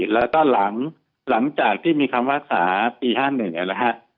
แล้วก็หลังจากที่มีคำภาษาปี๕๑เนี่ยนะฮะ